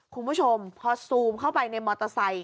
คุณผู้ชมพอซูมเข้าไปในมอเตอร์ไซค